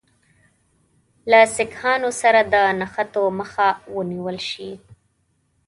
له سیکهانو سره د نښتو مخه ونیوله شي.